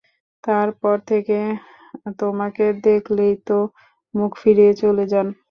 তার পর থেকে তোমাকে দেখলেই তো মুখ ফিরিয়ে চলে যান।